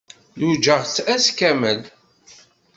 Ṛujaɣ-tt ass kamel.